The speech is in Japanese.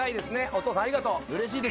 お父さんありがとう。